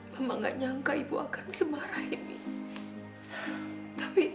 mama gak nyangka ibu akan semarah ini